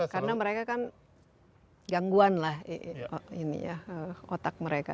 karena mereka kan gangguan lah otak mereka